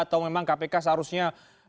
atau memang kpk seharusnya